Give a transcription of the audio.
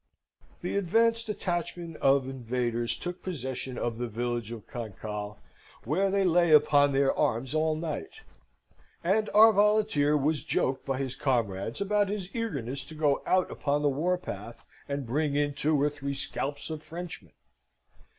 The advanced detachment of invaders took possession of the village of Cancale, where they lay upon their arms all night; and our volunteer was joked by his comrades about his eagerness to go out upon the war path, and bring in two or three scalps of Frenchmen.